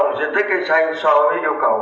tổng diện tích cây xanh so với yêu cầu